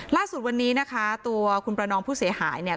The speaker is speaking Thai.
ล่าสุดวันนี้นะคะตัวคุณประนองผู้เสียหายเนี่ย